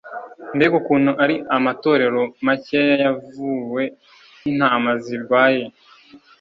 Mbega ukuntu ari amatorero makeya yavuwe nk'intama zirwaye,